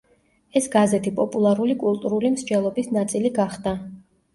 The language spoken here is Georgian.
ეს გაზეთი პოპულარული კულტურული მსჯელობის ნაწილი გახდა.